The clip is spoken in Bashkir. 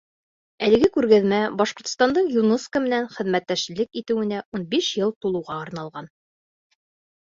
Әлеге күргәҙмә Башҡортостандың ЮНЕСКО менән хеҙмәттәшлек итеүенә ун биш йыл тулыуға арналған.